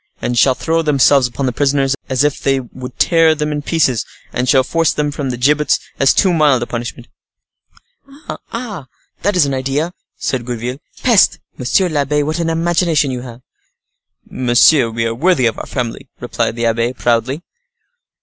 and shall throw themselves upon the prisoners as if they would tear them in pieces, and shall force them from the gibbets, as too mild a punishment." "Ah! that is an idea," said Gourville. "Peste! monsieur l'abbe, what an imagination you have!" "Monsieur, we are worthy of our family," replied the abbe, proudly.